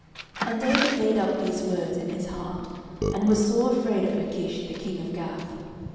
09:021:012 And David laid up these words in his heart, and was sore afraid of Achish the king of Gath.